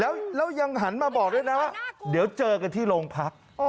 แล้วยังหันมาบอกด้วยนะว่าเดี๋ยวเจอกันที่โรงพัก